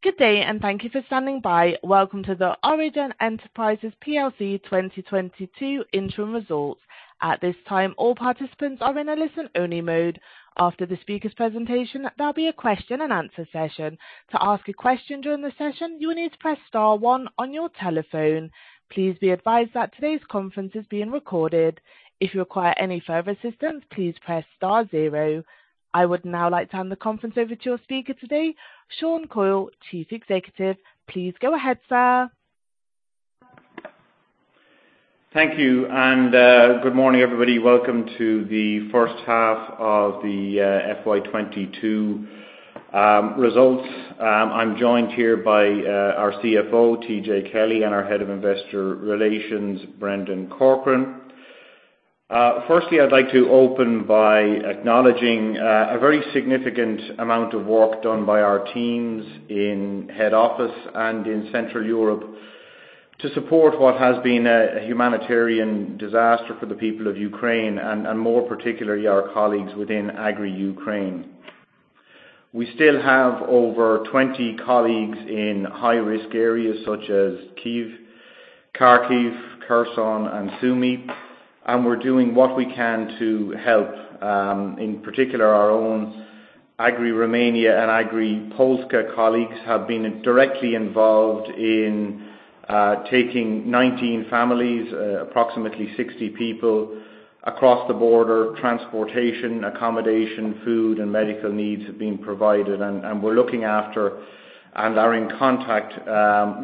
Good day and thank you for standing by. Welcome to the Origin Enterprises plc 2022 interim results. At this time, all participants are in a listen-only mode. After the speaker's presentation, there'll be a question and answer session. To ask a question during the session, you will need to press star one on your telephone. Please be advised that today's conference is being recorded. If you require any further assistance, please press star zero. I would now like to hand the conference over to your speaker today, Sean Coyle, Chief Executive. Please go ahead, sir. Thank you, and good morning, everybody. Welcome to the first half of the FY 2022 results. I'm joined here by our CFO, TJ Kelly, and our Head of Investor Relations, Brendan Corcoran. Firstly, I'd like to open by acknowledging a very significant amount of work done by our teams in head office and in Central Europe to support what has been a humanitarian disaster for the people of Ukraine and more particularly our colleagues within Agrii Ukraine. We still have over 20 colleagues in high-risk areas such as Kyiv, Kharkiv, Kherson, and Sumy, and we're doing what we can to help. In particular, our own Agrii Romania and Agrii Polska colleagues have been directly involved in taking 19 families, approximately 60 people, across the border. Transportation, accommodation, food, and medical needs have been provided. We're looking after and are in contact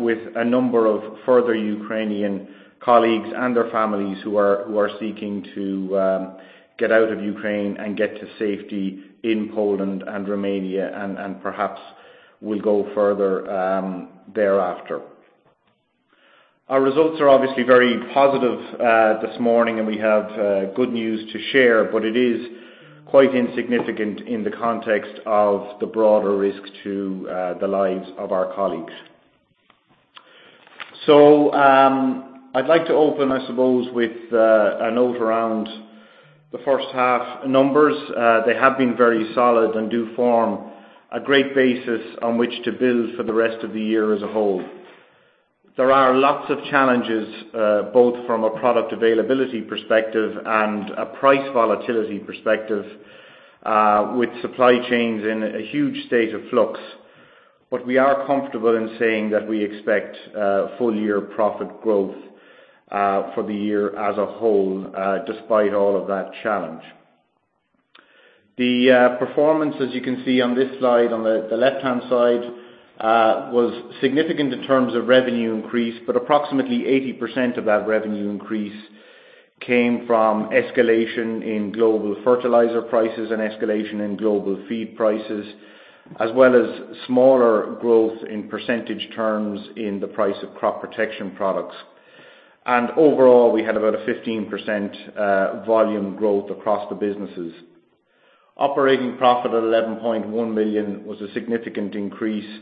with a number of further Ukrainian colleagues and their families who are seeking to get out of Ukraine and get to safety in Poland and Romania and perhaps will go further thereafter. Our results are obviously very positive this morning, and we have good news to share, but it is quite insignificant in the context of the broader risk to the lives of our colleagues. I'd like to open, I suppose, with a note around the first half numbers. They have been very solid and do form a great basis on which to build for the rest of the year as a whole. There are lots of challenges, both from a product availability perspective and a price volatility perspective, with supply chains in a huge state of flux. We are comfortable in saying that we expect full year profit growth for the year as a whole despite all of that challenge. The performance, as you can see on this slide on the left-hand side, was significant in terms of revenue increase, but approximately 80% of that revenue increase came from escalation in global fertilizer prices and escalation in global feed prices, as well as smaller growth in percentage terms in the price of crop protection products. Overall, we had about a 15% volume growth across the businesses. Operating profit at 11.1 million was a significant increase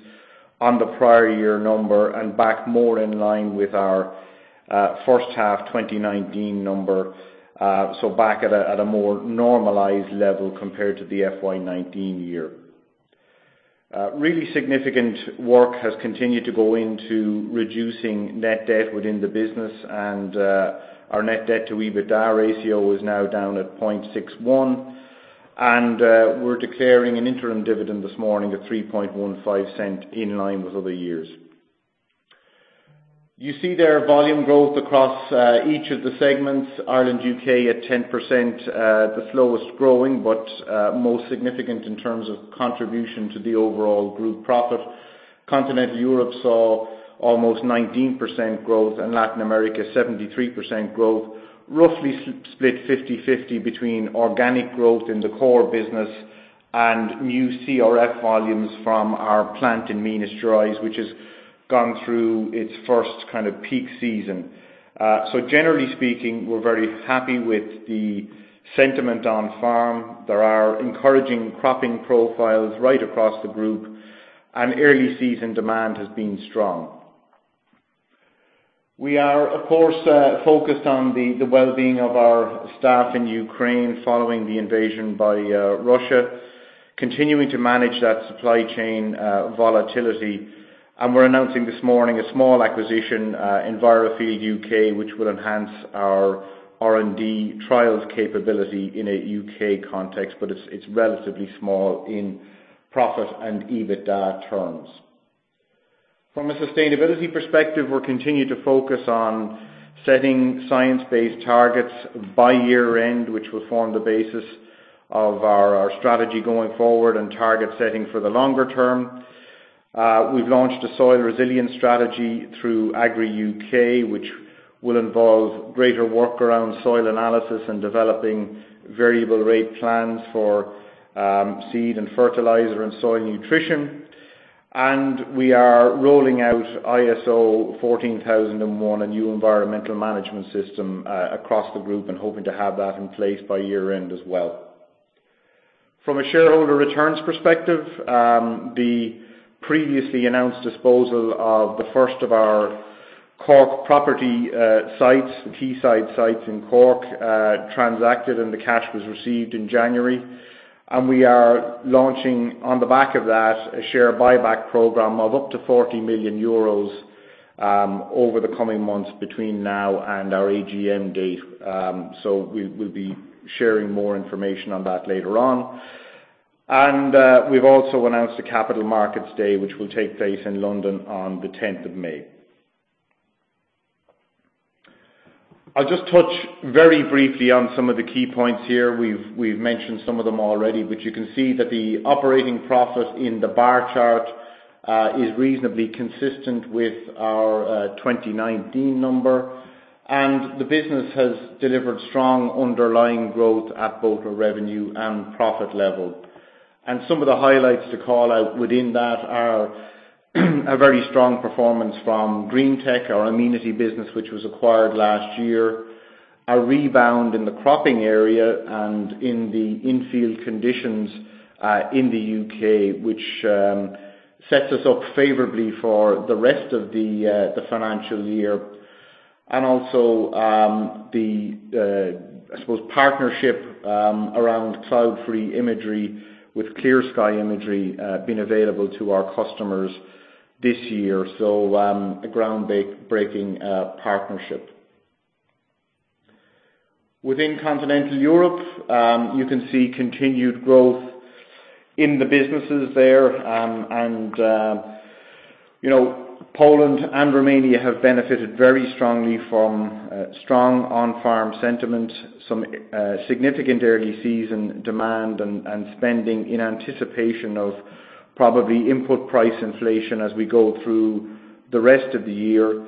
on the prior year number and back more in line with our first half 2019 number. So back at a more normalized level compared to the FY 2019 year. Really significant work has continued to go into reducing net debt within the business and our net debt to EBITDA ratio is now down at 0.61. We're declaring an interim dividend this morning at 0.0315 in line with other years. You see there volume growth across each of the segments. Ireland, U.K. at 10%, the slowest growing, but most significant in terms of contribution to the overall group profit. Continental Europe saw almost 19% growth, and Latin America 73% growth, roughly split 50-50 between organic growth in the core business and new CRF volumes from our plant in Minas Gerais, which has gone through its first kind of peak season. Generally speaking, we're very happy with the sentiment on farm. There are encouraging cropping profiles right across the group, and early season demand has been strong. We are, of course, focused on the well-being of our staff in Ukraine following the invasion by Russia, continuing to manage that supply chain volatility. We're announcing this morning a small acquisition, Envirofield U.K., which will enhance our R&D trials capability in a U.K. context, but it's relatively small in profit and EBITDA terms. From a sustainability perspective, we'll continue to focus on setting science-based targets by year-end, which will form the basis of our strategy going forward and target setting for the longer term. We've launched a Soil Resilience Strategy through Agrii, which will involve greater work around soil analysis and developing variable rate plans for seed and fertilizer and soil nutrition. We are rolling out ISO 14001, a new environmental management system, across the group and hoping to have that in place by year-end as well. From a shareholder returns perspective, the previously announced disposal of the first of our Cork property sites, the Quayside sites in Cork, transacted and the cash was received in January. We are launching on the back of that, a share buyback program of up to EUR 40 million over the coming months between now and our AGM date. We'll be sharing more information on that later on. We've also announced a Capital Markets Day, which will take place in London on the 10th of May. I'll just touch very briefly on some of the key points here. We've mentioned some of them already, but you can see that the operating profit in the bar chart is reasonably consistent with our 2019 number. The business has delivered strong underlying growth at both our revenue and profit level. Some of the highlights to call out within that are a very strong performance from Green-tech, our amenity business which was acquired last year. A rebound in the cropping area and in the in-field conditions in the U.K. which sets us up favorably for the rest of the financial year. Also, the I suppose partnership around cloud-free imagery with ClearSky being available to our customers this year. A ground-breaking partnership. Within continental Europe, you can see continued growth in the businesses there. You know, Poland and Romania have benefited very strongly from strong on-farm sentiment, some significant early season demand and spending in anticipation of probably input price inflation as we go through the rest of the year.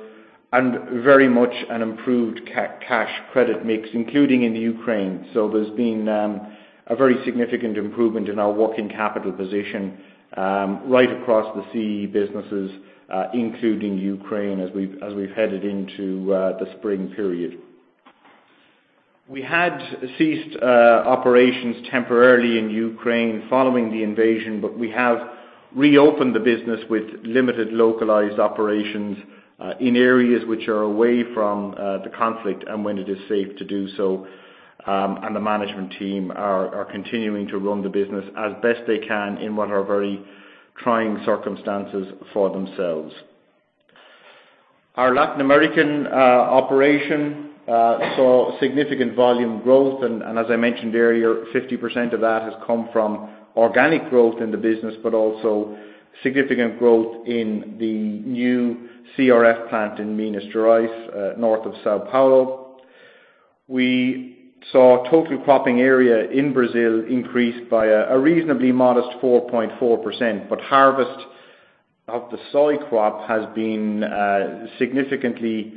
Very much an improved cash credit mix, including in the Ukraine. There's been a very significant improvement in our working capital position right across the CE businesses, including Ukraine as we've headed into the spring period. We had ceased operations temporarily in Ukraine following the invasion, but we have reopened the business with limited localized operations in areas which are away from the conflict and when it is safe to do so. The management team are continuing to run the business as best they can in what are very trying circumstances for themselves. Our Latin American operation saw significant volume growth, and as I mentioned earlier, 50% of that has come from organic growth in the business, but also significant growth in the new CRF plant in Minas Gerais north of São Paulo. We saw total cropping area in Brazil increased by a reasonably modest 4.4%, but harvest of the soy crop has been significantly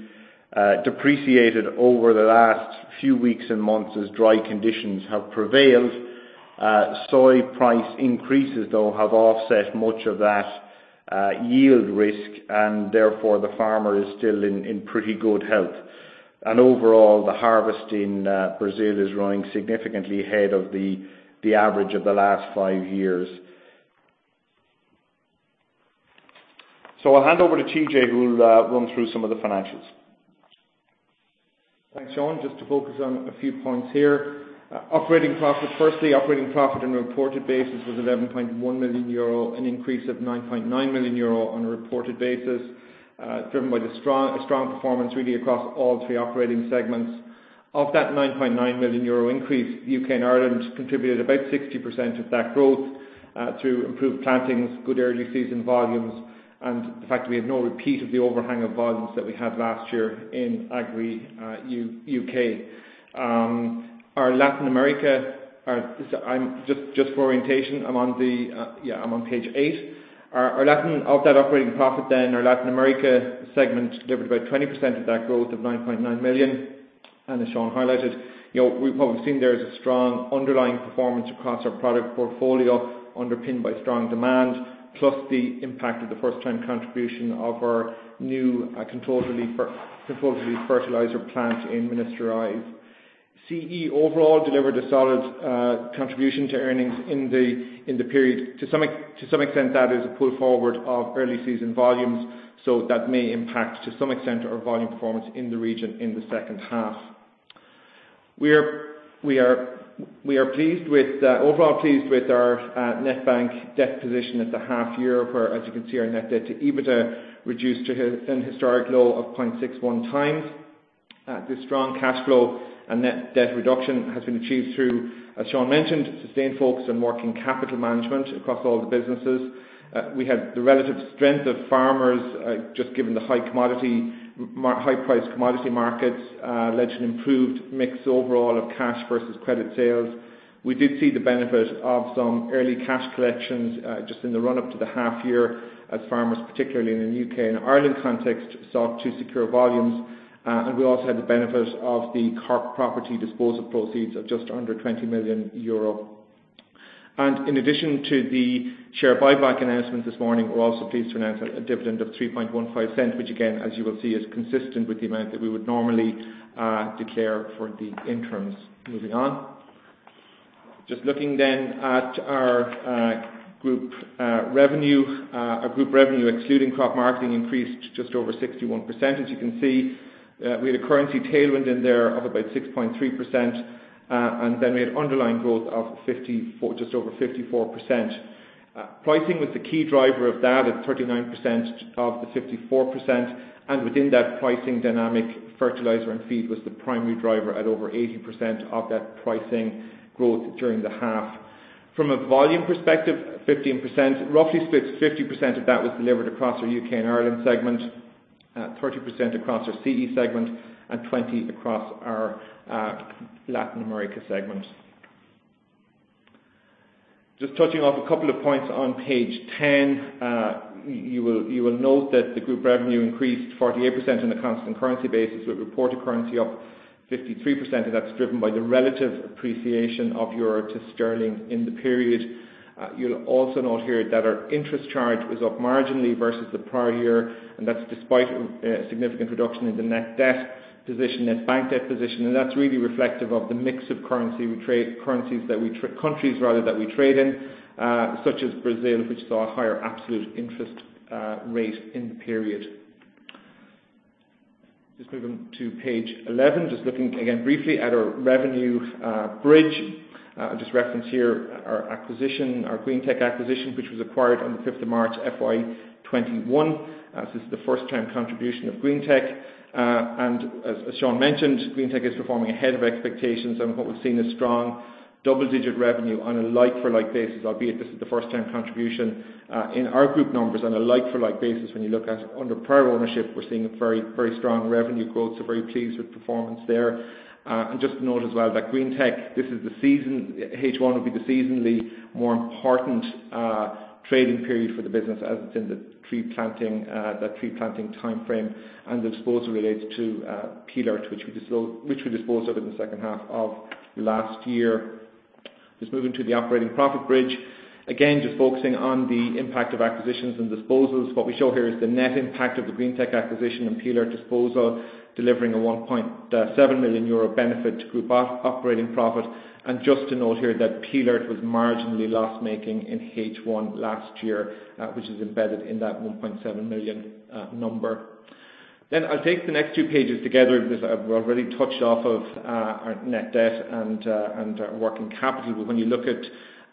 depressed over the last few weeks and months as dry conditions have prevailed. Soy price increases, though, have offset much of that yield risk, and therefore the farmer is still in pretty good health. Overall, the harvest in Brazil is running significantly ahead of the average of the last five years. I'll hand over to TJ, who'll run through some of the financials. Thanks, Sean. Just to focus on a few points here. Operating profit. Firstly, operating profit on a reported basis was 11.1 million euro, an increase of 9.9 million euro on a reported basis. Driven by a strong performance really across all three operating segments. Of that 9.9 million euro increase, U.K. and Ireland contributed about 60% of that growth, through improved plantings, good early season volumes, and the fact we have no repeat of the overhang of volumes that we had last year in Agrii U.K. Of that operating profit then, our Latin America segment delivered about 20% of that growth of 9.9 million. As Sean highlighted, you know, what we've seen there is a strong underlying performance across our product portfolio, underpinned by strong demand, plus the impact of the first time contribution of our new controlled release fertilizer plant in Minas Gerais. CE overall delivered a solid contribution to earnings in the period. To some extent, that is a pull forward of early season volumes, so that may impact to some extent our volume performance in the region in the second half. We are overall pleased with our net bank debt position at the half year, where as you can see our net debt to EBITDA reduced to an historic low of 0.61 times. This strong cash flow and net debt reduction has been achieved through, as Sean mentioned, sustained focus on working capital management across all the businesses. We had the relative strength of farmers, just given the high priced commodity markets, led to an improved mix overall of cash versus credit sales. We did see the benefit of some early cash collections, just in the run-up to the half year as farmers, particularly in the U.K. and Ireland context, sought to secure volumes. We also had the benefit of the Cork property disposal proceeds of just under EUR 20 million. In addition to the share buyback announcement this morning, we're also pleased to announce a dividend of 0.0315, which again, as you will see, is consistent with the amount that we would normally declare for the interims. Moving on. Just looking then at our group revenue. Our group revenue excluding crop marketing increased just over 61%. As you can see, we had a currency tailwind in there of about 6.3%. Then we had underlying growth of just over 54%. Pricing was the key driver of that at 39% of the 54%, and within that pricing dynamic, fertilizer and feed was the primary driver at over 80% of that pricing growth during the half. From a volume perspective, 15%, roughly split 50% of that was delivered across our U.K. and Ireland segment, 30% across our CE segment, and 20% across our Latin America segment. Just touching on a couple of points on page 10. You will note that the group revenue increased 48% on a constant currency basis, with reported currency up 53%, and that's driven by the relative appreciation of euro to sterling in the period. You'll also note here that our interest charge was up marginally versus the prior year, and that's despite a significant reduction in the net debt position, net bank debt position. That's really reflective of the mix of currency we trade, countries rather, that we trade in, such as Brazil, which saw a higher absolute interest rate in the period. Just moving to page 11, just looking again briefly at our revenue bridge. I'll just reference here our acquisition, our Green-tech acquisition, which was acquired on the fifth of March, FY 2021. This is the first time contribution of Green-tech. As Sean mentioned, Green-tech is performing ahead of expectations, and what we've seen is strong double-digit revenue on a like for like basis, albeit this is the first time contribution in our group numbers on a like for like basis, when you look at under prior ownership, we're seeing a very strong revenue growth, so very pleased with performance there. Just to note as well that Green-tech, this is the season, H1 will be the seasonally more important trading period for the business as it's in the tree planting timeframe and the disposal related to Pillaert-Mekoson, which we disposed of in the second half of last year. Just moving to the operating profit bridge. Again, just focusing on the impact of acquisitions and disposals. What we show here is the net impact of the Green-tech acquisition and Pillaert-Mekoson disposal, delivering a 1.7 million euro benefit to group operating profit. Just to note here that Pillaert-Mekoson was marginally loss-making in H1 last year, which is embedded in that 1.7 million number. I'll take the next two pages together because we've already touched on our net debt and our working capital. When you look at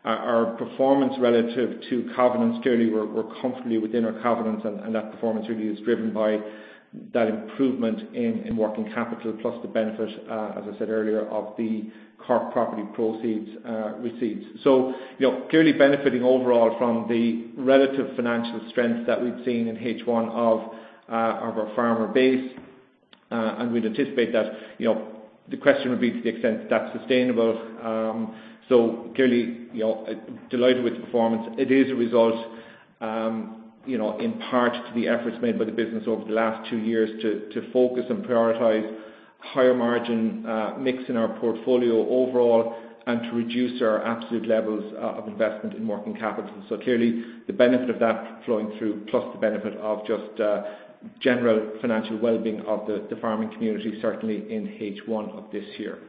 our performance relative to covenants, clearly we're comfortably within our covenants and that performance really is driven by that improvement in working capital plus the benefit, as I said earlier, of the Cork property proceeds, receipts. You know, clearly benefiting overall from the relative financial strength that we've seen in H1 of our farmer base. We'd anticipate that you know, the question would be to the extent that's sustainable. Clearly, you know, delighted with the performance. It is a result, you know, in part to the efforts made by the business over the last two years to focus and prioritize higher margin mix in our portfolio overall, and to reduce our absolute levels of investment in working capital. Clearly the benefit of that flowing through plus the benefit of just general financial well-being of the farming community, certainly in H1 of this year.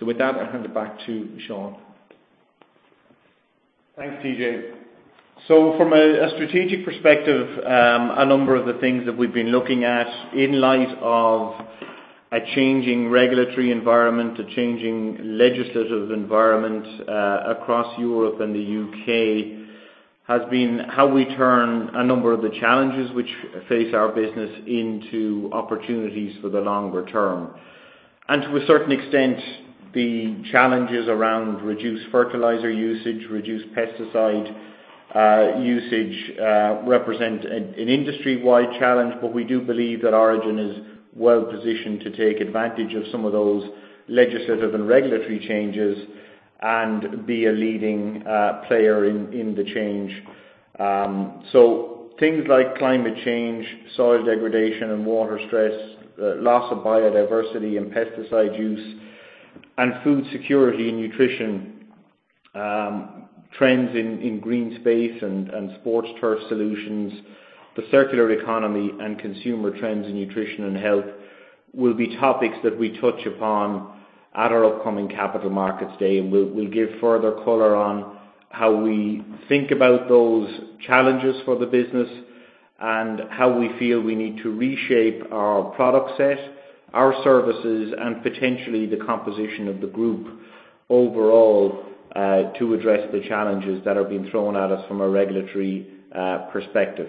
With that, I'll hand it back to Sean. Thanks, TJ. From a strategic perspective, a number of the things that we've been looking at in light of a changing regulatory environment, a changing legislative environment, across Europe and the U.K., has been how we turn a number of the challenges which face our business into opportunities for the longer term. To a certain extent, the challenges around reduced fertilizer usage, reduced pesticide usage, represent an industry-wide challenge, but we do believe that Origin is well positioned to take advantage of some of those legislative and regulatory changes and be a leading player in the change. Things like climate change, soil degradation and water stress, loss of biodiversity and pesticide use, and food security and nutrition, trends in green space and sports turf solutions, the circular economy and consumer trends in nutrition and health will be topics that we touch upon at our upcoming Capital Markets Day. We'll give further color on how we think about those challenges for the business and how we feel we need to reshape our product set, our services, and potentially the composition of the group overall, to address the challenges that are being thrown at us from a regulatory perspective.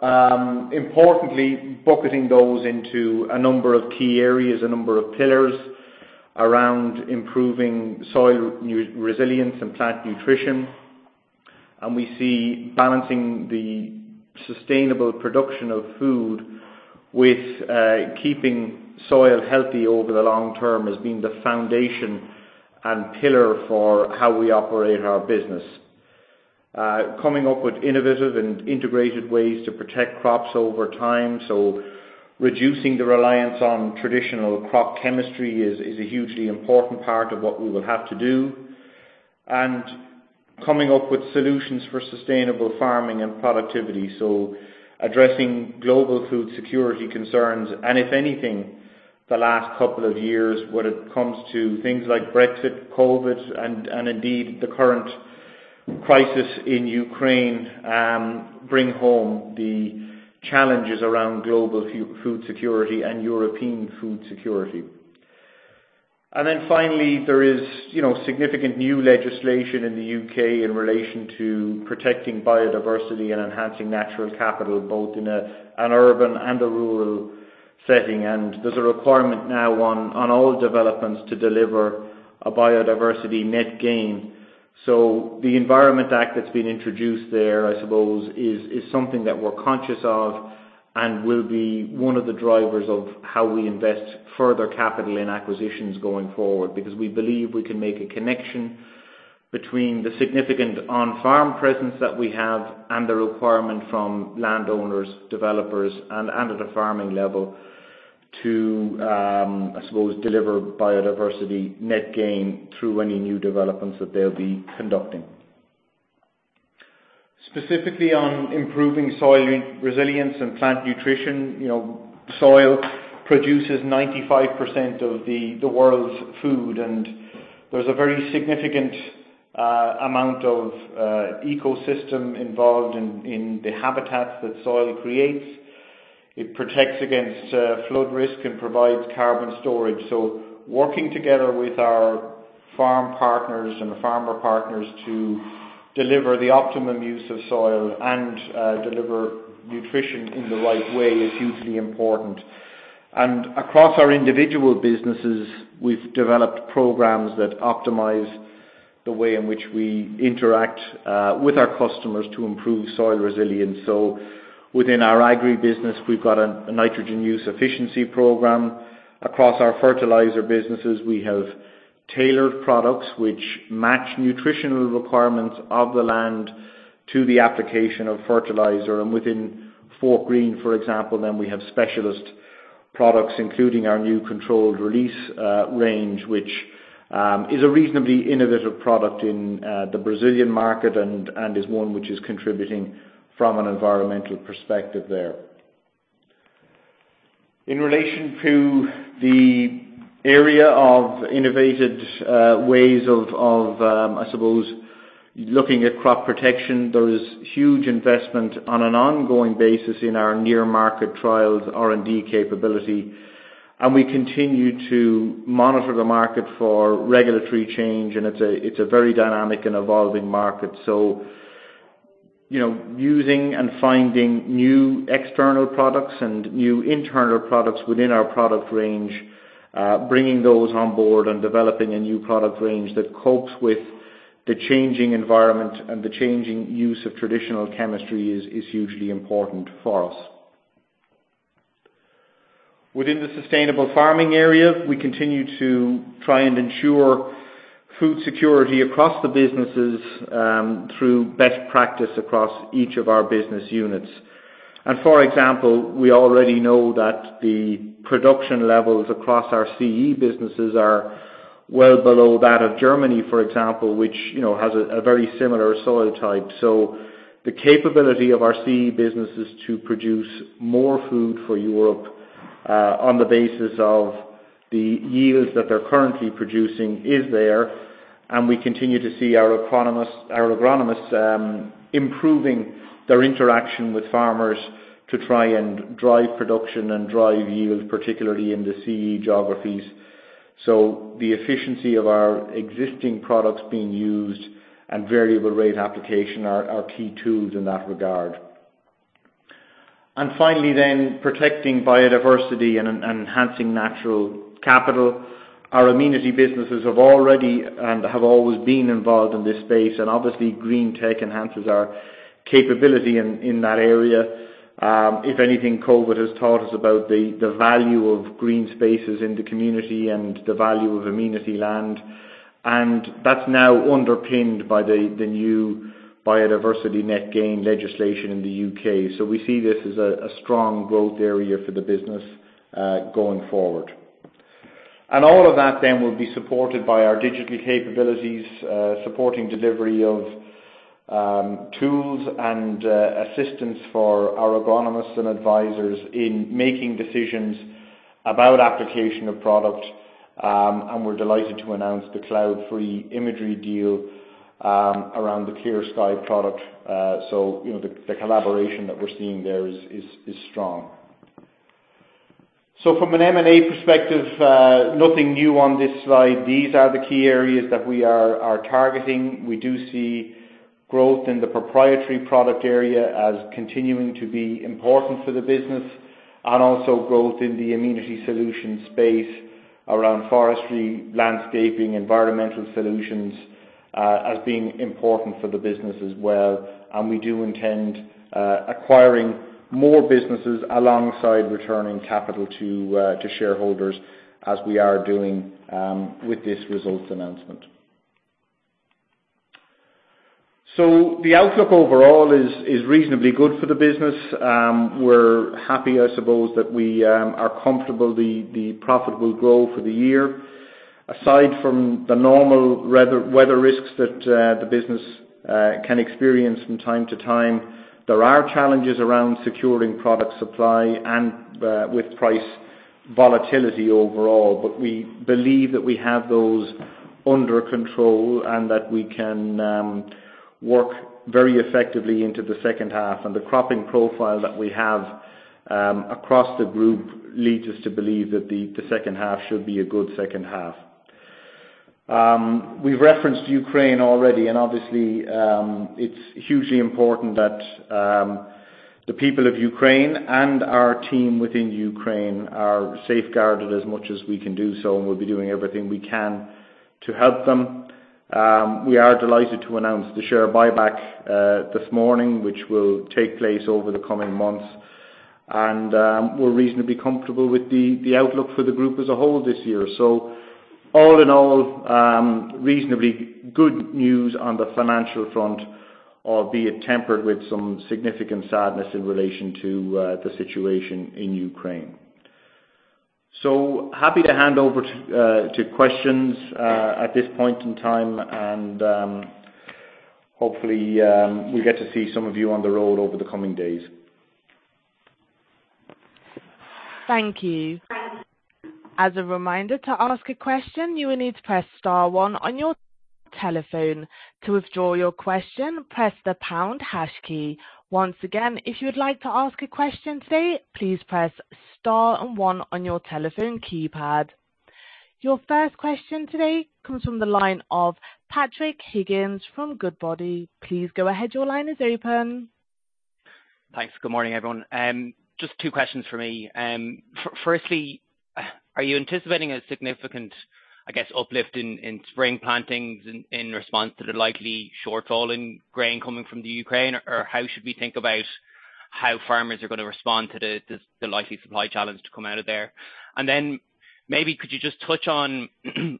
We are importantly bucketing those into a number of key areas, a number of pillars around improving soil resilience and plant nutrition. We see balancing the sustainable production of food with keeping soil healthy over the long term as being the foundation and pillar for how we operate our business. Coming up with innovative and integrated ways to protect crops over time, so reducing the reliance on traditional crop chemistry is a hugely important part of what we will have to do. Coming up with solutions for sustainable farming and productivity, addressing global food security concerns. If anything, the last couple of years, when it comes to things like Brexit, COVID, and indeed the current crisis in Ukraine, bring home the challenges around global food security and European food security. Then finally, there is, you know, significant new legislation in the U.K. in relation to protecting biodiversity and enhancing natural capital, both in an urban and a rural setting. There's a requirement now on all developments to deliver a biodiversity net gain. The Environment Act that's been introduced there, I suppose, is something that we're conscious of and will be one of the drivers of how we invest further capital in acquisitions going forward. Because we believe we can make a connection between the significant on-farm presence that we have and the requirement from landowners, developers, and at a farming level to, I suppose, deliver biodiversity net gain through any new developments that they'll be conducting. Specifically on improving soil resilience and plant nutrition, you know, soil produces 95% of the world's food, and there's a very significant amount of ecosystem involved in the habitats that soil creates. It protects against flood risk and provides carbon storage. Working together with our farm partners and farmer partners to deliver the optimum use of soil and deliver nutrition in the right way is hugely important. Across our individual businesses, we've developed programs that optimize the way in which we interact with our customers to improve soil resilience. Within our agri business, we've got a nitrogen use efficiency program. Across our fertilizer businesses, we have tailored products which match nutritional requirements of the land to the application of fertilizer. Within Fortgreen, for example, then we have specialist products, including our new controlled release range, which is a reasonably innovative product in the Brazilian market and is one which is contributing from an environmental perspective there. In relation to the area of innovative ways of, I suppose, looking at crop protection, there is huge investment on an ongoing basis in our near market trials R&D capability, and we continue to monitor the market for regulatory change, and it's a very dynamic and evolving market. You know, using and finding new external products and new internal products within our product range, bringing those on board and developing a new product range that copes with the changing environment and the changing use of traditional chemistry is hugely important for us. Within the sustainable farming area, we continue to try and ensure food security across the businesses through best practice across each of our business units. For example, we already know that the production levels across our CE businesses are well below that of Germany, for example, which, you know, has a very similar soil type. The capability of our CE businesses to produce more food for Europe on the basis of the yields that they're currently producing is there, and we continue to see our agronomists improving their interaction with farmers to try and drive production and drive yields, particularly in the CE geographies. The efficiency of our existing products being used and variable rate application are key tools in that regard. Finally, protecting biodiversity and enhancing natural capital. Our amenity businesses have already and have always been involved in this space, and obviously, Green-tech enhances our capability in that area. If anything, COVID has taught us about the value of green spaces in the community and the value of amenity land, and that's now underpinned by the new biodiversity net gain legislation in the U.K. We see this as a strong growth area for the business, going forward. All of that then will be supported by our digital capabilities, supporting delivery of tools and assistance for our agronomists and advisors in making decisions about application of product, and we're delighted to announce the cloud-free imagery deal, around the ClearSky product. You know, the collaboration that we're seeing there is strong. From an M and A perspective, nothing new on this slide. These are the key areas that we are targeting. We do see growth in the proprietary product area as continuing to be important for the business, and also growth in the amenity solution space around forestry, landscaping, environmental solutions, as being important for the business as well. We do intend acquiring more businesses alongside returning capital to shareholders as we are doing with this results announcement. The outlook overall is reasonably good for the business. We're happy, I suppose, that we are comfortable the profit will grow for the year. Aside from the normal weather risks that the business can experience from time to time, there are challenges around securing product supply and with price volatility overall. We believe that we have those under control and that we can work very effectively into the second half. The cropping profile that we have across the group leads us to believe that the second half should be a good second half. We've referenced Ukraine already, and obviously it's hugely important that the people of Ukraine and our team within Ukraine are safeguarded as much as we can do so, and we'll be doing everything we can to help them. We are delighted to announce the share buyback this morning, which will take place over the coming months. We're reasonably comfortable with the outlook for the group as a whole this year. All in all, reasonably good news on the financial front, albeit tempered with some significant sadness in relation to the situation in Ukraine. Happy to hand over to questions at this point in time, and hopefully we get to see some of you on the road over the coming days. Thank you. As a reminder, to ask a question, you will need to press star one on your telephone. To withdraw your question, press the pound hash key. Once again, if you would like to ask a question today, please press star and one on your telephone keypad. Your first question today comes from the line of Patrick Higgins from Goodbody. Please go ahead, your line is open. Thanks. Good morning, everyone. Just two questions from me. Firstly, are you anticipating a significant, I guess, uplift in spring plantings in response to the likely shortfall in grain coming from the Ukraine, or how should we think about how farmers are gonna respond to the likely supply challenge to come out of there? Maybe could you just touch on,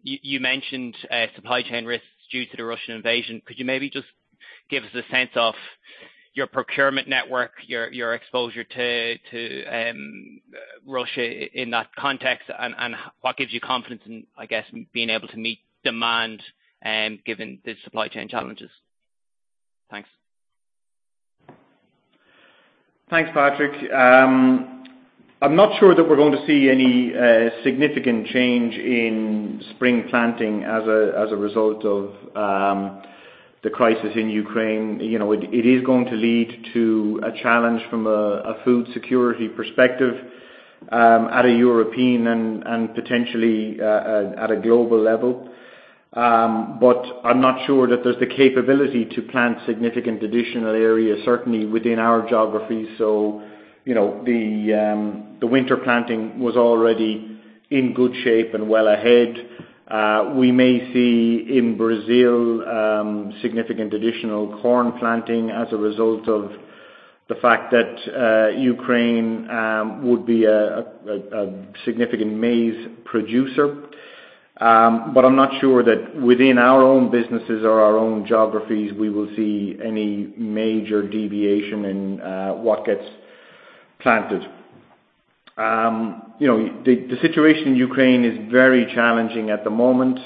you mentioned, supply chain risks due to the Russian invasion. Could you maybe just give us a sense of your procurement network, your exposure to Russia in that context and what gives you confidence in, I guess, being able to meet demand, given the supply chain challenges? Thanks. Thanks, Patrick. I'm not sure that we're going to see any significant change in spring planting as a result of the crisis in Ukraine. You know, it is going to lead to a challenge from a food security perspective at a European and potentially at a global level. I'm not sure that there's the capability to plant significant additional areas, certainly within our geography. You know, the winter planting was already in good shape and well ahead. We may see in Brazil significant additional corn planting as a result of the fact that Ukraine would be a significant maize producer. I'm not sure that within our own businesses or our own geographies, we will see any major deviation in what gets planted. You know, the situation in Ukraine is very challenging at the moment.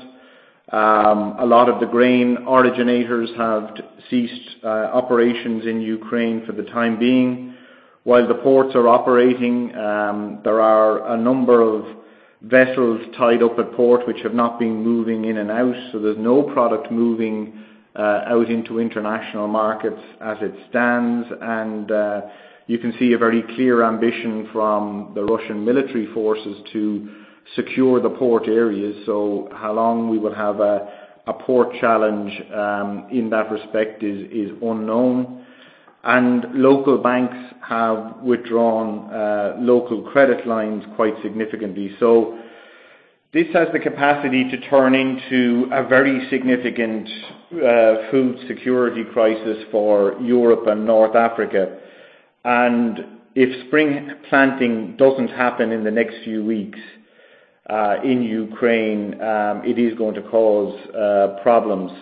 A lot of the grain originators have ceased operations in Ukraine for the time being. While the ports are operating, there are a number of vessels tied up at port which have not been moving in and out, so there's no product moving out into international markets as it stands. You can see a very clear ambition from the Russian military forces to secure the port areas. How long we would have a port challenge in that respect is unknown. Local banks have withdrawn local credit lines quite significantly. This has the capacity to turn into a very significant food security crisis for Europe and North Africa. If spring planting doesn't happen in the next few weeks in Ukraine, it is going to cause problems.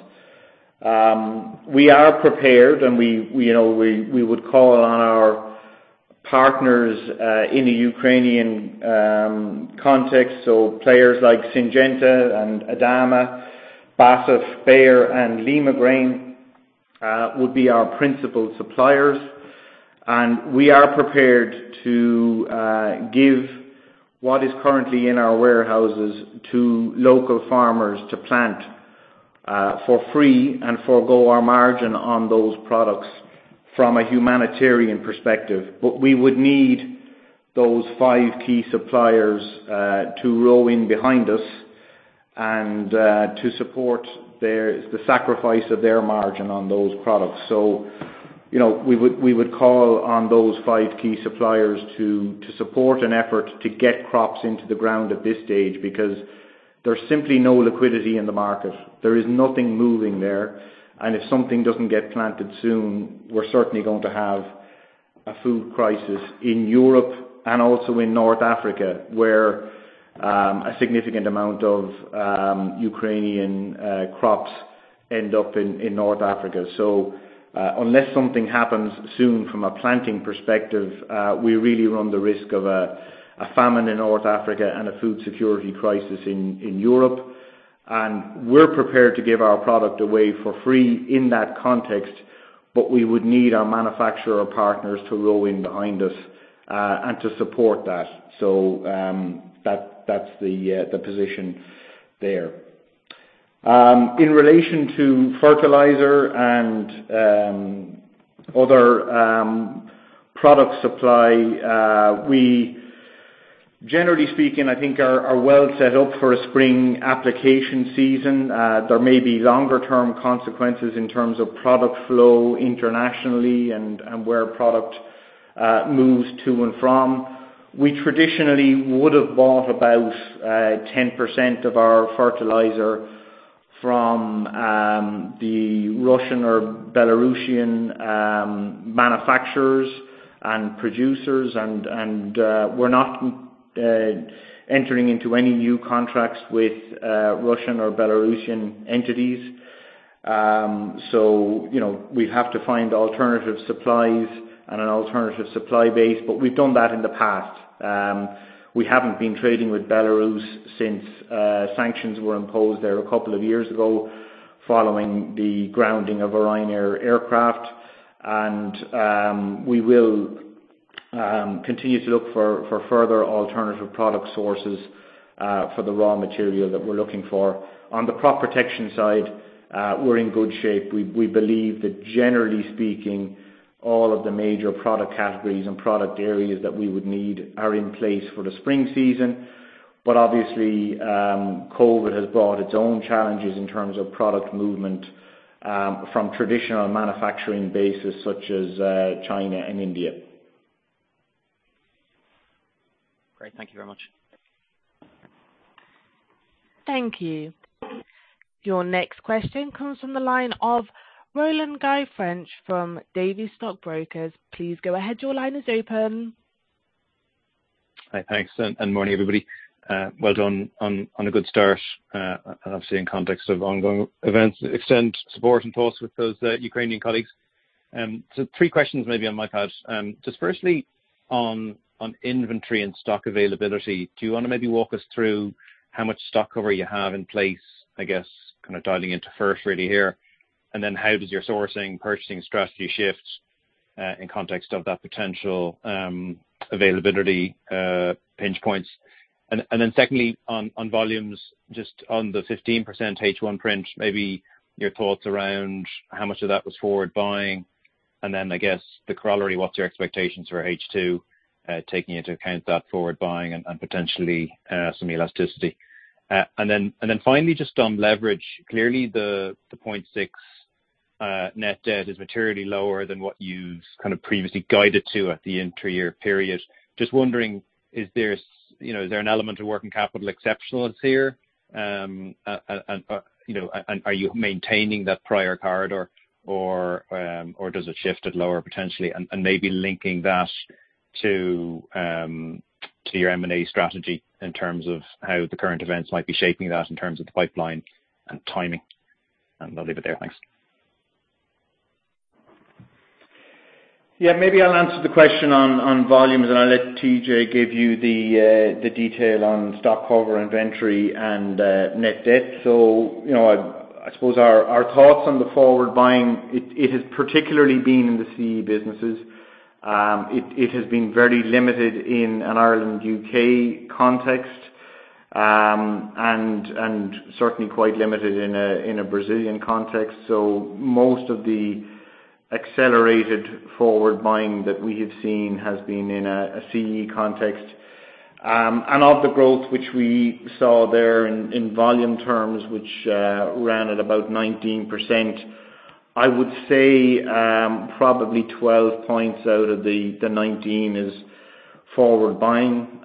We are prepared, and you know, we would call on our partners in the Ukrainian context, so players like Syngenta and ADAMA, BASF, Bayer, and Limagrain would be our principal suppliers. We are prepared to give what is currently in our warehouses to local farmers to plant for free and forgo our margin on those products from a humanitarian perspective. We would need those five key suppliers to row in behind us and to support the sacrifice of their margin on those products. You know, we would call on those five key suppliers to support an effort to get crops into the ground at this stage because there's simply no liquidity in the market. There is nothing moving there, and if something doesn't get planted soon, we're certainly going to have a food crisis in Europe and also in North Africa, where a significant amount of Ukrainian crops end up in North Africa. Unless something happens soon from a planting perspective, we really run the risk of a famine in North Africa and a food security crisis in Europe. We're prepared to give our product away for free in that context, but we would need our manufacturer partners to row in behind us and to support that. That's the position there. In relation to fertilizer and other product supply, we generally speaking, I think are well set up for a spring application season. There may be longer term consequences in terms of product flow internationally and where product moves to and from. We traditionally would have bought about 10% of our fertilizer from the Russian or Belarusian manufacturers and producers and we're not entering into any new contracts with Russian or Belarusian entities. You know, we have to find alternative supplies and an alternative supply base, but we've done that in the past. We haven't been trading with Belarus since sanctions were imposed there a couple of years ago following the grounding of a Ryanair aircraft. We will continue to look for further alternative product sources for the raw material that we're looking for. On the crop protection side, we're in good shape. We believe that generally speaking, all of the major product categories and product areas that we would need are in place for the spring season. Obviously, COVID has brought its own challenges in terms of product movement from traditional manufacturing bases such as China and India. Great. Thank you very much. Thank you. Your next question comes from the line of Roland French from Davy Stockbrokers. Please go ahead. Your line is open. Hi. Thanks and morning, everybody. Well done on a good start. Obviously in context of ongoing events, extend support and thoughts with those Ukrainian colleagues. Three questions maybe on my part. Just firstly on inventory and stock availability, do you wanna maybe walk us through how much stock cover you have in place, I guess kinda dialing into H1 really here. Then how does your sourcing, purchasing strategy shift in context of that potential availability pinch points? Secondly, on volumes, just on the 15% H1 print, maybe your thoughts around how much of that was forward buying. Then I guess the corollary, what's your expectations for H2, taking into account that forward buying and potentially some elasticity. Then finally, just on leverage. Clearly the 0.6 net debt is materially lower than what you've kind of previously guided to at the end of the three-year period. Just wondering, you know, is there an element of working capital exceptional items here? You know, are you maintaining that prior corridor or does it shift to a lower potentially? Maybe linking that to your M and A strategy in terms of how the current events might be shaping that in terms of the pipeline and timing. I'll leave it there. Thanks. Yeah. Maybe I'll answer the question on volumes, and I'll let TJ give you the detail on stock cover, inventory and net debt. You know, I suppose our thoughts on the forward buying, it has particularly been in the CE businesses. It has been very limited in an Ireland, U.K. context, and certainly quite limited in a Brazilian context. Most of the accelerated forward buying that we have seen has been in a CE context. Of the growth which we saw there in volume terms, which ran at about 19%, I would say, probably 12 points out of the 19 is forward buying.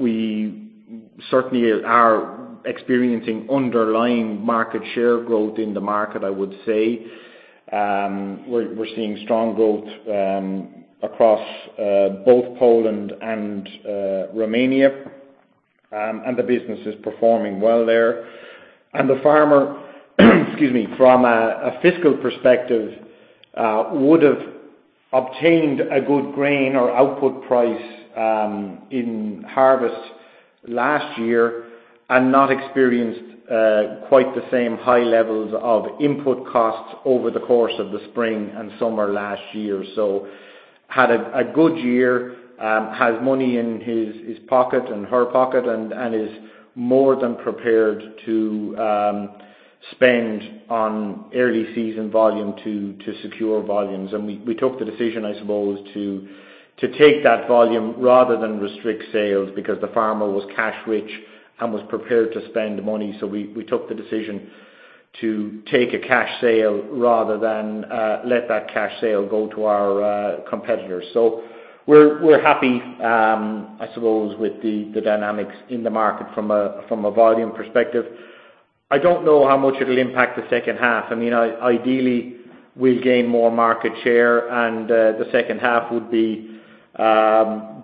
We certainly are experiencing underlying market share growth in the market, I would say. We're seeing strong growth across both Poland and Romania. The business is performing well there. The farmer, excuse me, from a fiscal perspective, would've obtained a good grain or output price in harvest last year and not experienced quite the same high levels of input costs over the course of the spring and summer last year, had a good year, has money in his pocket and her pocket and is more than prepared to spend on early season volume to secure volumes. We took the decision, I suppose, to take that volume rather than restrict sales because the farmer was cash rich and was prepared to spend the money. We took the decision to take a cash sale rather than let that cash sale go to our competitors. We're happy, I suppose, with the dynamics in the market from a volume perspective. I don't know how much it'll impact the second half. I mean, ideally we'll gain more market share and the second half would be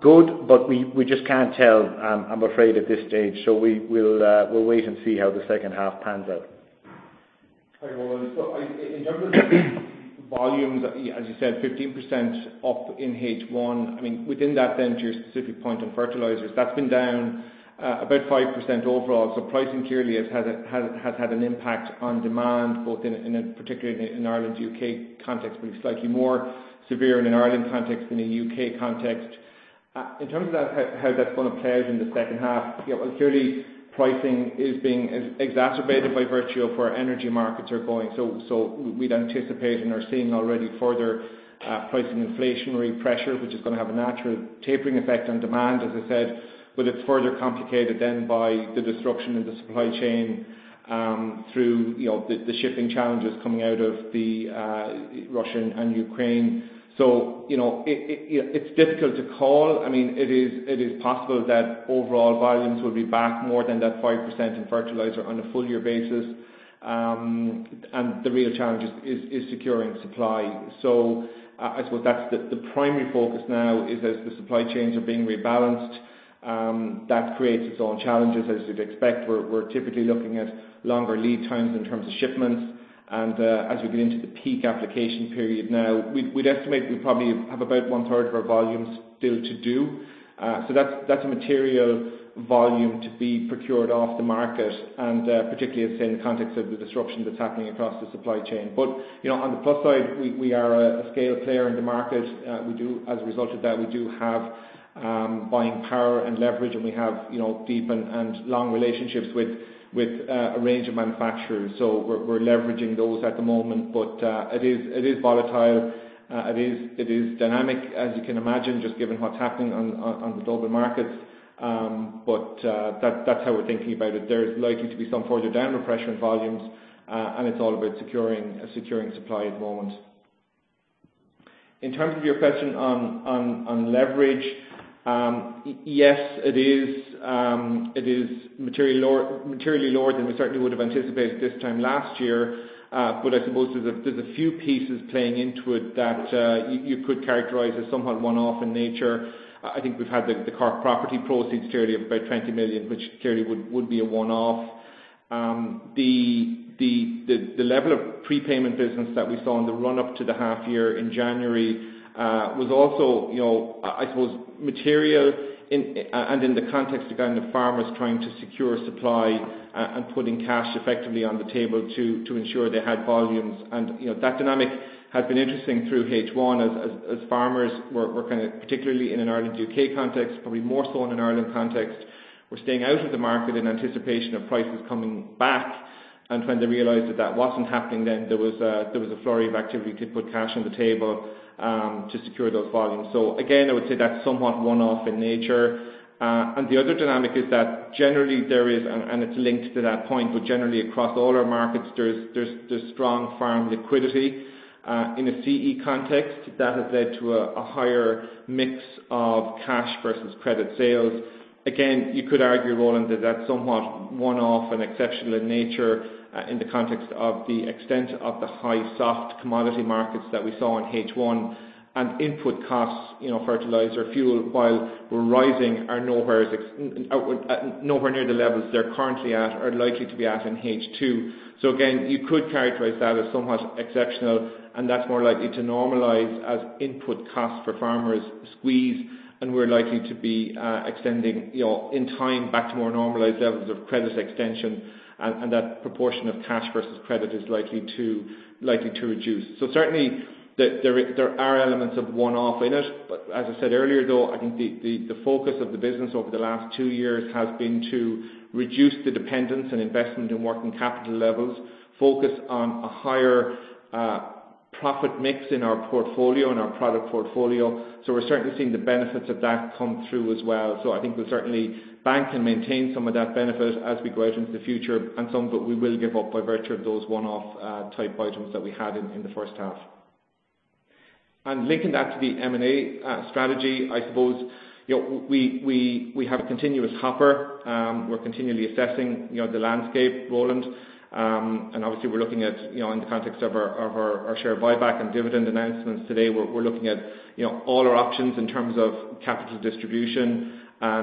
good, but we just can't tell, I'm afraid at this stage. We'll wait and see how the second half pans out. Hi, Roland. In terms of volumes, as you said, 15% up in H1. I mean, within that then to your specific point on fertilizers, that's been down about 5% overall. Pricing clearly has had an impact on demand, both in particular in Ireland and U.K. context, but it's slightly more severe in an Ireland context than a U.K. context. In terms of how that's gonna play out in the second half, you know, clearly pricing is being exacerbated by virtue of where energy markets are going. We'd anticipate and are seeing already further pricing inflationary pressure, which is gonna have a natural tapering effect on demand, as I said. It's further complicated then by the disruption in the supply chain, through, you know, the shipping challenges coming out of the Russia and Ukraine. You know, it's difficult to call. I mean, it is possible that overall volumes will be back more than that 5% in fertilizer on a full year basis. The real challenge is securing supply. I suppose that's the primary focus now, as the supply chains are being rebalanced, that creates its own challenges, as you'd expect. We're typically looking at longer lead times in terms of shipments. As we get into the peak application period now, we'd estimate we probably have about one-third of our volumes still to do. That's a material volume to be procured off the market, and particularly as in the context of the disruption that's happening across the supply chain. You know, on the plus side, we are a scale player in the market. As a result of that, we have buying power and leverage, and we have, you know, deep and long relationships with a range of manufacturers. We're leveraging those at the moment. It is volatile. It is dynamic, as you can imagine, just given what's happening on the global markets. That's how we're thinking about it. There's likely to be some further downward pressure in volumes, and it's all about securing supply at the moment. In terms of your question on leverage, yes, it is materially lower than we certainly would have anticipated this time last year. I suppose there's a few pieces playing into it that you could characterize as somewhat one-off in nature. I think we've had the Cork property proceeds clearly of about 20 million, which clearly would be a one-off. The level of prepayment business that we saw on the run-up to the half year in January was also, you know, I suppose material in and in the context, again, of farmers trying to secure supply and putting cash effectively on the table to ensure they had volumes. You know, that dynamic has been interesting through H1 as farmers were kind of particularly in an Ireland-U.K. context, probably more so in an Ireland context, were staying out of the market in anticipation of prices coming back. When they realized that that wasn't happening, then there was a flurry of activity to put cash on the table to secure those volumes. Again, I would say that's somewhat one-off in nature. The other dynamic is that generally there is, and it's linked to that point, but generally across all our markets, there's strong farm liquidity. In a CE context that has led to a higher mix of cash versus credit sales. Again, you could argue, Roland, that that's somewhat one-off and exceptional in nature, in the context of the extent of the high soft commodity markets that we saw in H1. Input costs, you know, fertilizer, fuel, while rising, are nowhere near the levels they're currently at or likely to be at in H2. Again, you could characterize that as somewhat exceptional, and that's more likely to normalize as input costs for farmers squeeze. We're likely to be extending, you know, in time back to more normalized levels of credit extension. That proportion of cash versus credit is likely to reduce. Certainly there are elements of one-off in it. As I said earlier, though, I think the focus of the business over the last two years has been to reduce the dependence on investment and working capital levels, focus on a higher profit mix in our portfolio and our product portfolio. We're certainly seeing the benefits of that come through as well. I think we'll certainly bank and maintain some of that benefit as we go out into the future and some of it we will give up by virtue of those one-off type items that we had in the first half. Linking that to the M and A strategy, I suppose, you know, we have a continuous hopper. We're continually assessing, you know, the landscape, Roland. Obviously we're looking at, you know, in the context of our share buyback and dividend announcements today, we're looking at, you know, all our options in terms of capital distribution. You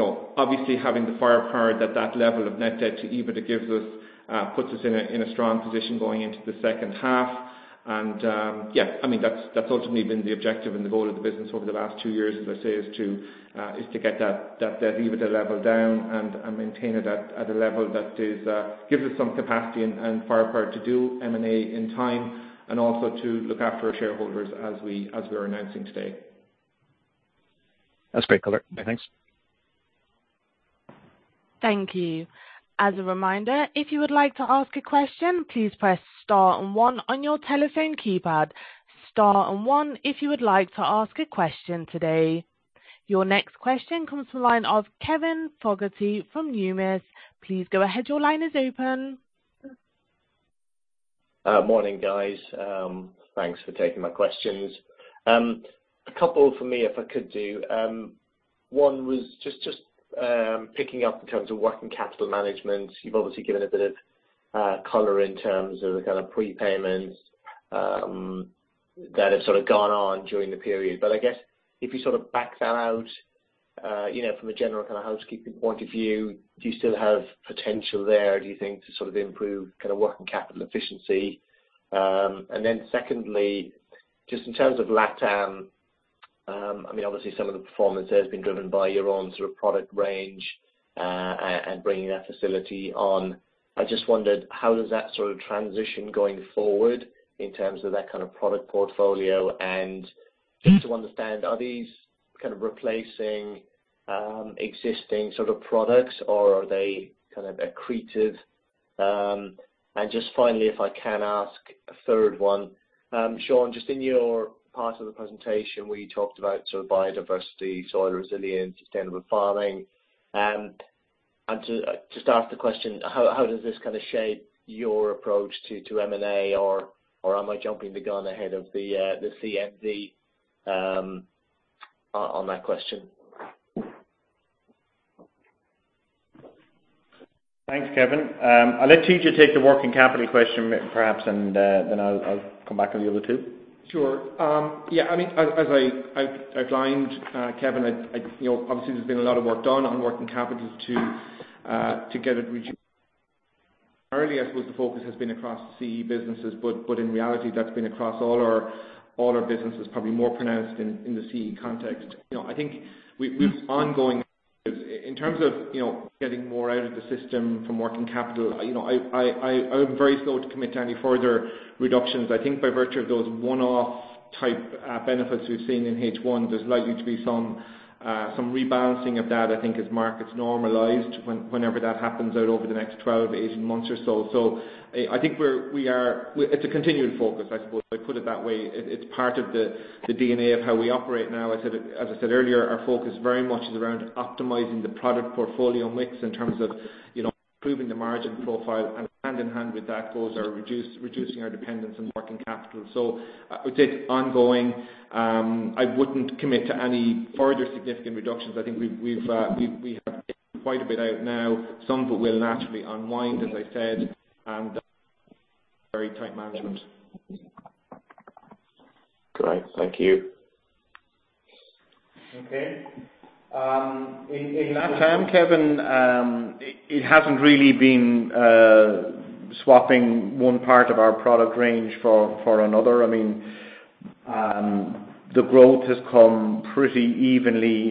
know, obviously having the firepower at that level of net debt to EBITDA puts us in a strong position going into the second half. I mean, that's ultimately been the objective and the goal of the business over the last two years, as I say, is to get that debt EBITDA level down and maintain it at a level that gives us some capacity and firepower to do M and A in time, and also to look after our shareholders as we are announcing today. That's great, Colin. Thanks. Thank you. As a reminder, if you would like to ask a question, please press star and one on your telephone keypad. Star and one if you would like to ask a question today. Your next question comes from the line of Kevin Fogarty from Numis. Please go ahead. Your line is open. Morning, guys. Thanks for taking my questions. A couple for me if I could. One was just picking up in terms of working capital management. You've obviously given a bit of color in terms of the kind of prepayments that have sort of gone on during the period. I guess if you sort of back that out, you know, from a general kind of housekeeping point of view, do you still have potential there, do you think, to sort of improve kind of working capital efficiency? And then secondly, just in terms of LatAm, I mean, obviously some of the performance there has been driven by your own sort of product range and bringing that facility on. I just wondered, how does that sort of transition going forward in terms of that kind of product portfolio and? Mm-hmm. Just to understand, are these kind of replacing existing sort of products or are they kind of accretive? Just finally, if I can ask a third one, Sean, just in your part of the presentation where you talked about sort of biodiversity, soil resilience, sustainable farming, and to just ask the question, how does this kind of shape your approach to M and A or am I jumping the gun ahead of the CMD on that question? Thanks, Kevin. I'll let TJ take the working capital question perhaps, and then I'll come back on the other two. Sure. Yeah, I mean as I outlined, Kevin. You know, obviously there's been a lot of work done on working capital to get it reduced. Earlier, I suppose the focus has been across CE businesses, but in reality that's been across all our businesses probably more pronounced in the CE context. You know, I think we Mm-hmm. In terms of, you know, getting more out of the system from working capital, you know, I'm very slow to commit to any further reductions. I think by virtue of those one-off type benefits we've seen in H1, there's likely to be some rebalancing of that, I think as markets normalized whenever that happens out over the next 12-18 months or so. I think it's a continued focus, I suppose. If I put it that way, it's part of the DNA of how we operate now. As I said earlier, our focus very much is around optimizing the product portfolio mix in terms of, you know, improving the margin profile and hand-in-hand with that goes our reducing our dependence on working capital. So I would say it's ongoing. I wouldn't commit to any further significant reductions. I think we have quite a bit out now, some of it will naturally unwind, as I said, and very tight management. Great. Thank you. Okay. In LatAm, Kevin, it hasn't really been swapping one part of our product range for another. I mean, the growth has come pretty evenly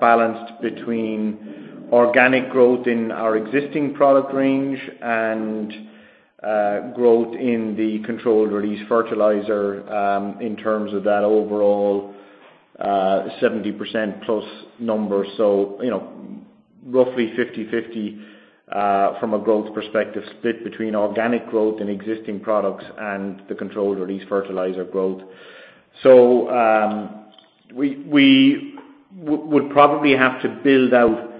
balanced between organic growth in our existing product range and growth in the controlled-release fertilizer in terms of that overall 70% plus number. You know, roughly 50/50 from a growth perspective split between organic growth and existing products and the controlled-release fertilizer growth. We would probably have to build out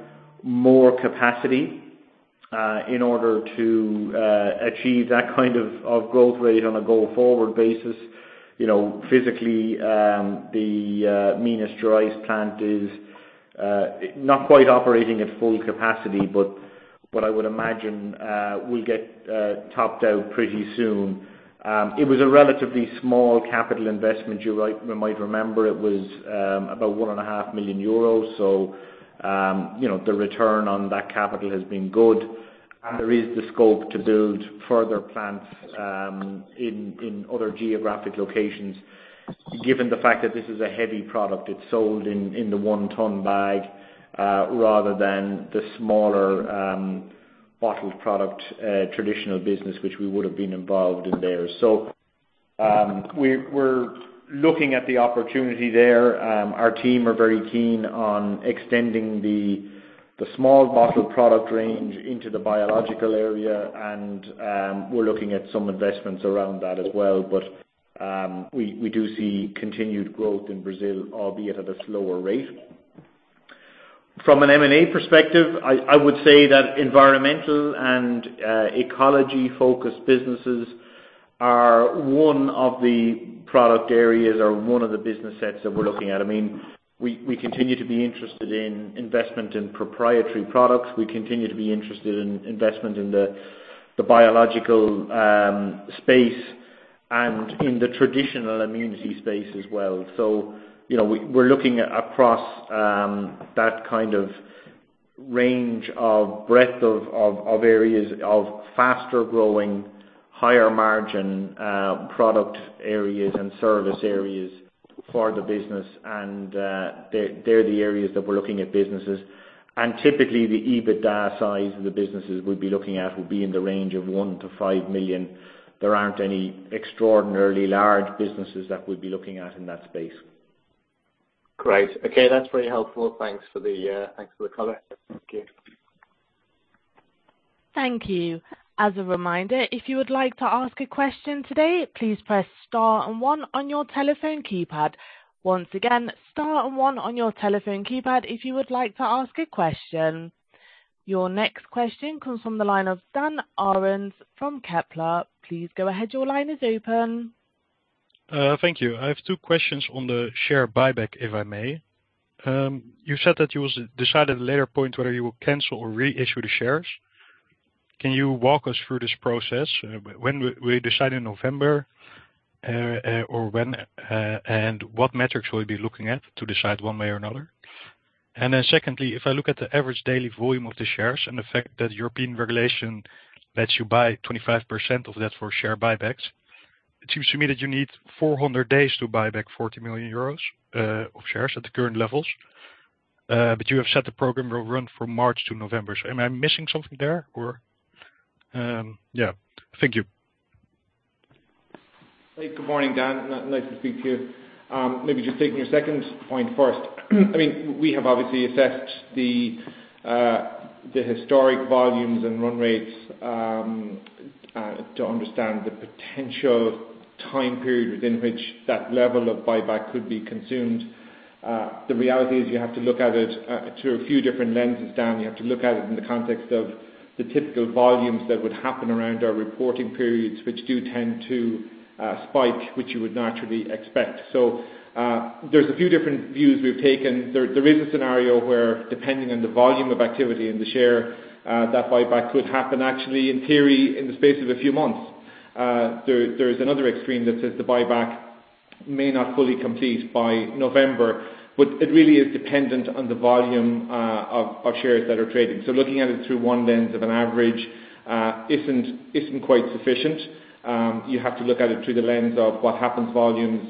more capacity in order to achieve that kind of growth rate on a go-forward basis. You know, physically, the Minas Gerais plant is not quite operating at full capacity, but what I would imagine will get topped out pretty soon. It was a relatively small capital investment. You might remember it was about 1.5 million euros. You know, the return on that capital has been good, and there is the scope to build further plants in other geographic locations. Given the fact that this is a heavy product, it's sold in the one-ton bag rather than the smaller bottled product traditional business which we would have been involved in there. We're looking at the opportunity there. Our team are very keen on extending the small bottled product range into the biological area and we're looking at some investments around that as well. We do see continued growth in Brazil, albeit at a slower rate. From an M and A perspective, I would say that environmental and ecology-focused businesses are one of the product areas or one of the business sets that we're looking at. I mean, we continue to be interested in investment in proprietary products. We continue to be interested in investment in the biological space and in the traditional immunity space as well. You know, we're looking across that kind of range of breadth of areas of faster growing, higher margin product areas and service areas for the business. They're the areas that we're looking at businesses. Typically the EBITDA size of the businesses we'd be looking at would be in the range of 1 million-5 million. There aren't any extraordinarily large businesses that we'd be looking at in that space. Great. Okay, that's very helpful. Thanks for the color. Thank you. Thank you. As a reminder, if you would like to ask a question today, please press star and one on your telephone keypad. Once again, star and one on your telephone keypad if you would like to ask a question. Your next question comes from the line of Dan Aharon from Kepler. Please go ahead. Your line is open. Thank you. I have two questions on the share buyback, if I may. You said that you will decide at a later point whether you will cancel or reissue the shares. Can you walk us through this process? When will you decide, in November, or when, and what metrics will you be looking at to decide one way or another? Secondly, if I look at the average daily volume of the shares and the fact that European regulation lets you buy 25% of that for share buybacks, it seems to me that you need 400 days to buy back 40 million euros of shares at the current levels. You have said the program will run from March to November. Am I missing something there or? Thank you. Good morning, Dan. Nice to speak to you. Maybe just taking your second point first. I mean, we have obviously assessed the historic volumes and run rates to understand the potential time period within which that level of buyback could be consumed. The reality is you have to look at it through a few different lenses, Dan. You have to look at it in the context of the typical volumes that would happen around our reporting periods, which do tend to spike, which you would naturally expect. There's a few different views we've taken. There is a scenario where depending on the volume of activity in the share, that buyback could happen actually in theory in the space of a few months. There's another extreme that says the buyback may not fully complete by November, but it really is dependent on the volume of shares that are trading. Looking at it through one lens of an average isn't quite sufficient. You have to look at it through the lens of what happens volumes,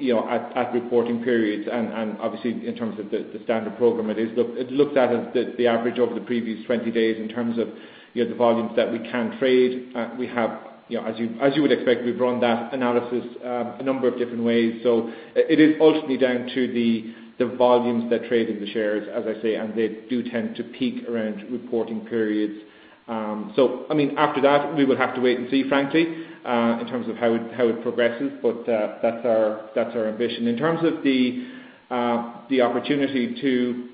you know, at reporting periods and obviously in terms of the standard program it is looked at as the average over the previous 20 days in terms of, you know, the volumes that we can trade. We have, you know, as you would expect, we've run that analysis a number of different ways. It is ultimately down to the volumes that trade in the shares, as I say, and they do tend to peak around reporting periods. I mean, after that, we will have to wait and see, frankly, in terms of how it progresses, but that's our ambition. In terms of the opportunity to,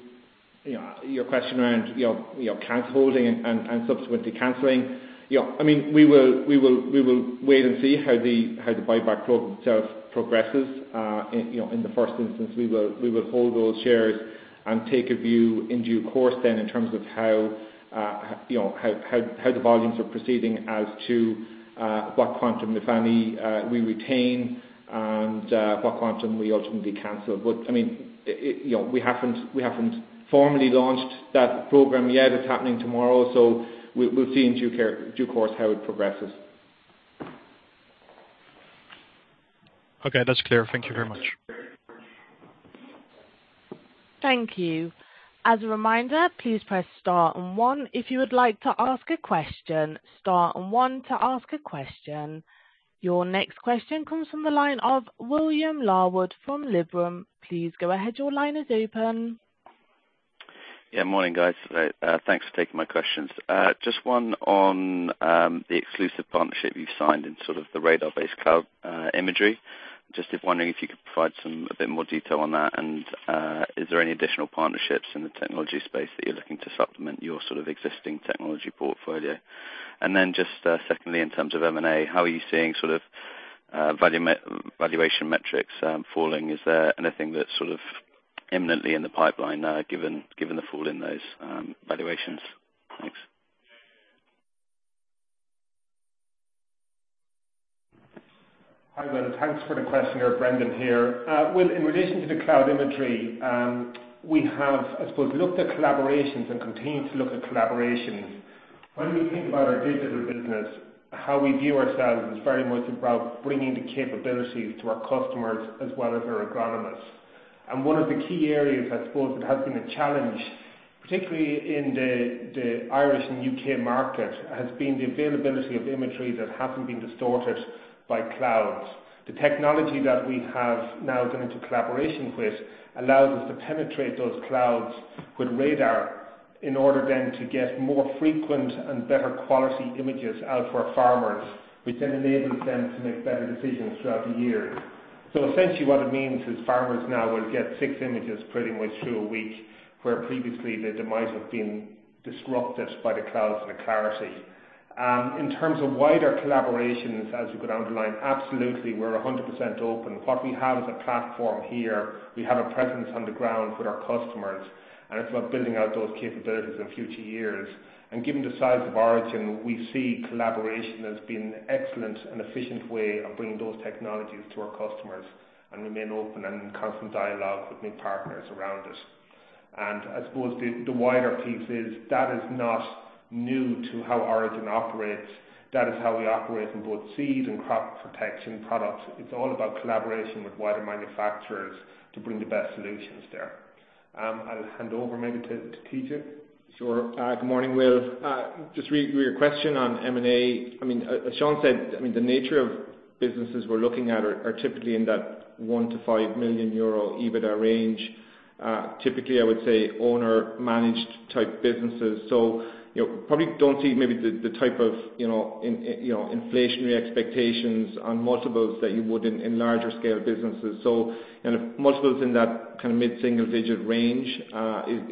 you know, your question around, you know, canceling and subsequently canceling. You know, I mean, we will wait and see how the buyback program itself progresses. You know, in the first instance, we will hold those shares and take a view in due course then in terms of how the volumes are proceeding as to what quantum, if any, we retain and what quantum we ultimately cancel. But I mean, you know, we haven't formally launched that program yet. It's happening tomorrow, so we'll see in due course how it progresses. Okay, that's clear. Thank you very much. Thank you. As a reminder, please press star and one if you would like to ask a question. Star and one to ask a question. Your next question comes from the line of William Larwood from Liberum. Please go ahead. Your line is open. Yeah, morning, guys. Thanks for taking my questions. Just one on the exclusive partnership you've signed in sort of the radar-based cloud imagery. Just wondering if you could provide some, a bit more detail on that. Is there any additional partnerships in the technology space that you're looking to supplement your sort of existing technology portfolio? Then just, secondly, in terms of M and A, how are you seeing sort of valuation metrics falling? Is there anything that's sort of imminently in the pipeline now, given the fall in those valuations? Thanks. Hi, Will. Thanks for the question. Brendan here. Will, in relation to the cloud imagery, we have, I suppose, looked at collaborations and continued to look at collaborations. When we think about our digital business, how we view ourselves is very much about bringing the capabilities to our customers as well as our agronomists. One of the key areas, I suppose, that has been a challenge, particularly in the Irish and U.K. market, has been the availability of imagery that hasn't been distorted by clouds. The technology that we have now gone into collaboration with allows us to penetrate those clouds with radar in order then to get more frequent and better quality images out for our farmers, which then enables them to make better decisions throughout the year. Essentially what it means is farmers now will get 6 images pretty much through a week, where previously they might have been disrupted by the clouds and the clarity. In terms of wider collaborations, as you could underline, absolutely, we're 100% open. What we have as a platform here, we have a presence on the ground with our customers, and it's about building out those capabilities in future years. Given the size of Origin, we see collaboration as being an excellent and efficient way of bringing those technologies to our customers, and remain open and in constant dialogue with new partners around us. I suppose the wider piece is that is not new to how Origin operates. That is how we operate in both seed and crop protection products. It's all about collaboration with wider manufacturers to bring the best solutions there. I'll hand over maybe to TJ. Sure. Good morning, Will. Just to your question on M and A, I mean, as Sean said, I mean, the nature of businesses we're looking at are typically in that 1 million-5 million euro EBITDA range. Typically, I would say owner-managed type businesses. You know, probably don't see maybe the type of, you know, inflationary expectations on multiples that you would in larger scale businesses. Kind of multiples in that kind of mid-single digit range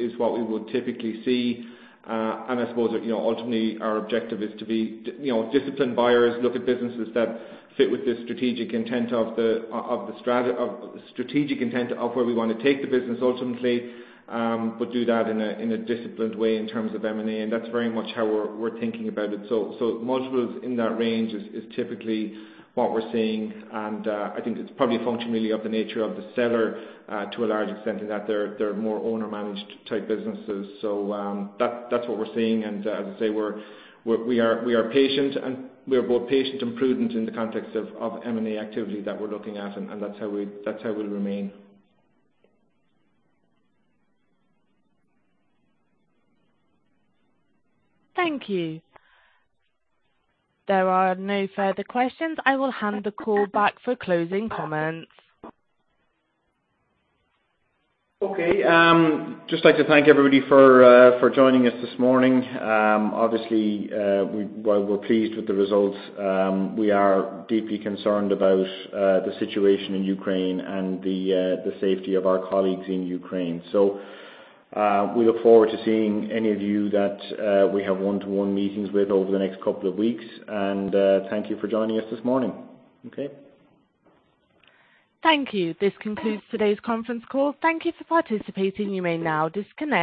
is what we would typically see. I suppose, you know, ultimately our objective is to be, you know, disciplined buyers, look at businesses that fit with the strategic intent of where we want to take the business ultimately, but do that in a disciplined way in terms of M and A, and that's very much how we're thinking about it. Multiples in that range is typically what we're seeing. I think it's probably a function really of the nature of the seller to a large extent, in that they're more owner-managed type businesses. That's what we're seeing. As I say, we are patient, and we are both patient and prudent in the context of M and A activity that we're looking at, and that's how we'll remain. Thank you. There are no further questions. I will hand the call back for closing comments. Okay. Just like to thank everybody for joining us this morning. Obviously, while we're pleased with the results, we are deeply concerned about the situation in Ukraine and the safety of our colleagues in Ukraine. We look forward to seeing any of you that we have one-to-one meetings with over the next couple of weeks. Thank you for joining us this morning. Okay. Thank you. This concludes today's conference call. Thank you for participating. You may now disconnect.